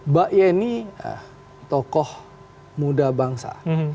mbak yeni tokoh muda bangsa